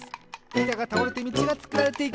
いたがたおれてみちがつくられていく！